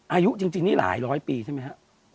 อายุจริงนี่หลายร้อยปีใช่มั้ยครับ